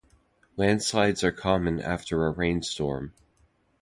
Landslides are common after a rainstorm.